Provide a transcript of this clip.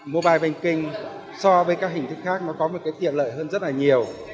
mobile banking so với các hình thức khác nó có một cái tiện lợi hơn rất là nhiều